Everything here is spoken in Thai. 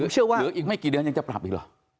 หรืออีกไม่กี่เดือนยังจะปรับอีกหรอ